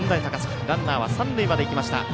ランナーは三塁まで行きました。